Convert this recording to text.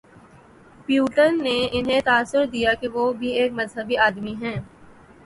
Putin نے انہیں تاثر دیا کہ وہ بھی ایک مذہبی آدمی ہیں۔